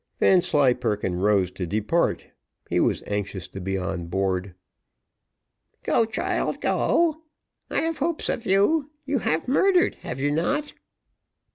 Vanslyperken rose to depart; he was anxious to be aboard. "Go, child, go. I have hopes of you you have murdered, have you not?"